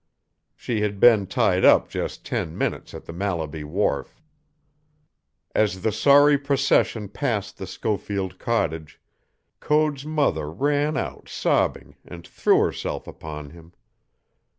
She had been tied up just ten minutes at the Mallaby wharf. As the sorry procession passed the Schofield cottage, Code's mother ran out sobbing and threw herself upon him.